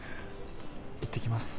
行ってきます。